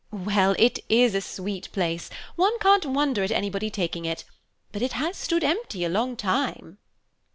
"Well, it is a sweet place! one can't wonder at anybody taking it; but it has stood empty a long time."